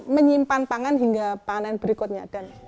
menyimpan pangan hingga panen berikutnya